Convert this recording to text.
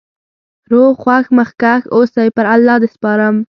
روغ خوښ مخکښ اوسی.پر الله د سپارم